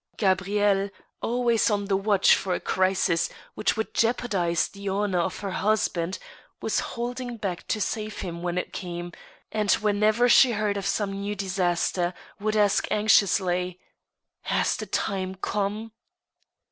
Gabrieile, always on the watch for a crisis which would jeopard ize the honor of her husband, was holding back to save him when it came, and whenever she heard of some new disaster, would ask anxiously :" Has the time come